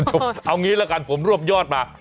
เอาอย่างนี้ละกันผมร่วมยอดมา